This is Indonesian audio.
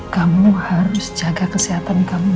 kamu harus jaga kesehatan kamu